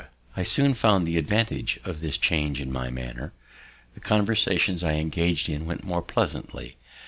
I soon found the advantage of this change in my manner; the conversations I engag'd in went on more pleasantly.